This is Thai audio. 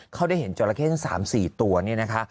เขาได้เห็นจราเข้ทั้ง๓๔ตัวเนี่ยนะคะ